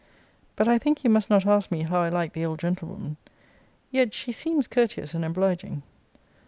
But I think you must not ask me how I like the old gentlewoman. Yet she seems courteous and obliging.